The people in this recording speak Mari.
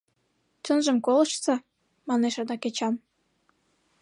— Чынжым колыштса, — манеш адак Эчан.